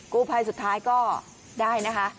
กู้ภัยสุดท้ายก็ได้นะคะ